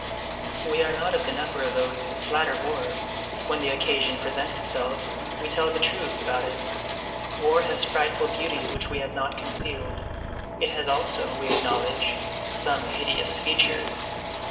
We are not of the number of those who flatter war; when the occasion presents itself, we tell the truth about it. War has frightful beauties which we have not concealed; it has also, we acknowledge, some hideous features.